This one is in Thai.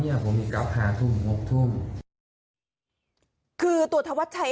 โดยเฉพาะอุปสรรค์